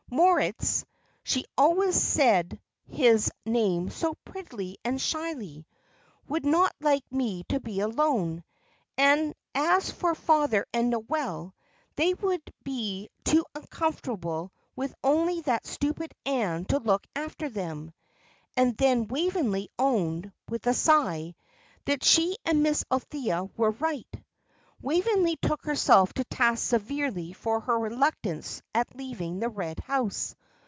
"Moritz" she always said his name so prettily and shyly "would not like me to be alone, and as for father and Noel, they would be too uncomfortable with only that stupid Ann to look after them." And then Waveney owned, with a sigh, that she and Miss Althea were right. Waveney took herself to task severely for her reluctance at leaving the Red House.